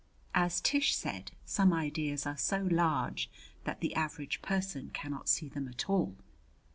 As Tish said, some ideas are so large that the average person cannot see them at all.